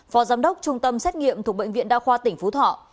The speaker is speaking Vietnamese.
phó giám đốc trung tâm xét nghiệm thuộc bệnh viện đa khoa tỉnh phú thọ